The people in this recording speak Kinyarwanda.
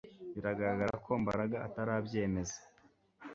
Biragaragara ko Mbaraga atarabyemeza